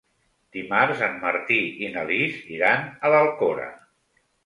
Dimarts en Martí i na Lis iran a l'Alcora.